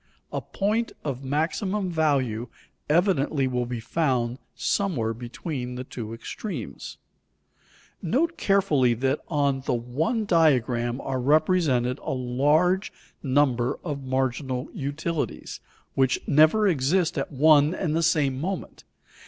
A point of maximum value evidently will be found somewhere between the two extremes. [Sidenote: Only one marginal utility at one moment] Note carefully that on the one diagram are represented a large number of marginal utilities which never exist at one and the same moment.